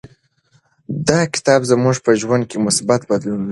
دا کتاب زموږ په ژوند کې مثبت بدلون راولي.